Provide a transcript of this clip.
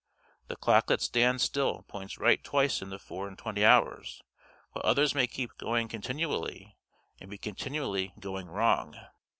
The clock that stands still points right twice in the four and twenty hours, while others may keep going continually, and be continually going wrong.